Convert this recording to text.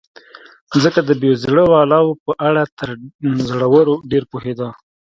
ځکه د بې زړه والاو په اړه تر زړورو ډېر پوهېده.